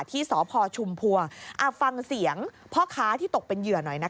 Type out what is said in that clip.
ที่สพชุมพวงฟังเสียงพ่อค้าที่ตกเป็นเหยื่อหน่อยนะคะ